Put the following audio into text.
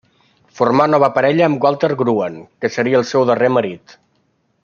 Formà nova parella amb Walter Gruen, que seria el seu darrer marit.